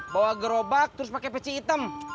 bawa gerobak terus pakai peci hitam